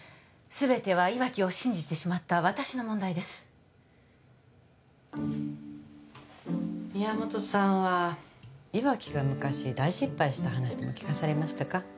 すべては岩城を信じてしまった私の問題です宮本さんは岩城が昔大失敗した話でも聞かされましたか？